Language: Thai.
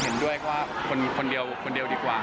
เห็นด้วยก็ว่าคนเดียวดีกว่า